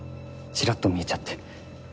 ちらっと見えちゃって。